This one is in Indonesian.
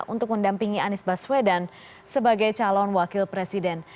untuk mendampingi anies baswedan sebagai calon wakil presiden